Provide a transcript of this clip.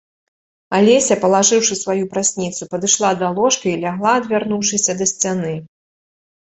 Алеся, палажыўшы сваю прасніцу, падышла да ложка і лягла, адвярнуўшыся да сцяны.